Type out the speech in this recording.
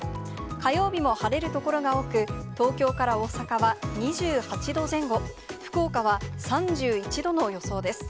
火曜日も晴れる所が多く、東京から大阪は２８度前後、福岡は３１度の予想です。